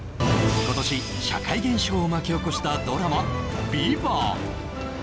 今年社会現象を巻き起こしたドラマ「ＶＩＶＡＮＴ」